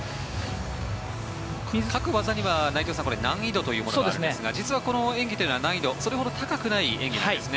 各技には内藤さん難易度というものがあるんですが実はこの演技は難易度、それほど高くない演技なんですね。